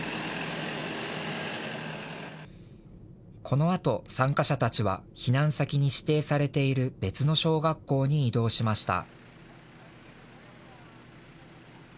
このあと参加者たちは避難先に指定されている別の小学校に移動しました。